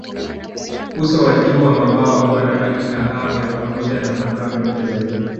Uso wa juu wa mabawa huwa na rangi kahawia pamoja na madoa meupe zaidi.